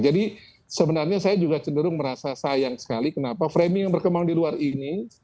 jadi sebenarnya saya juga cenderung merasa sayang sekali kenapa framing yang berkembang di luar ini